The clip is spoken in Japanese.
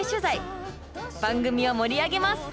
番組を盛り上げます！